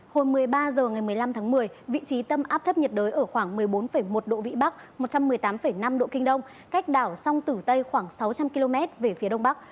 hồi một mươi ba h ngày một mươi năm tháng một mươi vị trí tâm áp thấp nhiệt đới ở khoảng một mươi bốn một độ vĩ bắc một trăm một mươi tám năm độ kinh đông cách đảo sông tử tây khoảng sáu trăm linh km về phía đông bắc